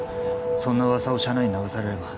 そんな噂を社内に流されれば